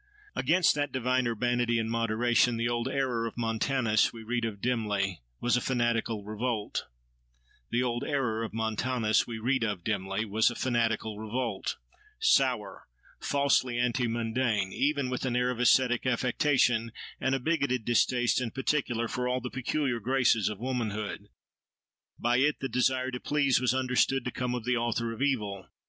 Against that divine urbanity and moderation the old error of Montanus we read of dimly, was a fanatical revolt—sour, falsely anti mundane, ever with an air of ascetic affectation, and a bigoted distaste in particular for all the peculiar graces of womanhood. By it the desire to please was understood to come of the author of evil.